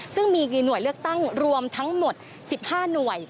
ซึ่งมีหน่วยเลือกตั้งรวมทั้งหมด๑๕หน่วย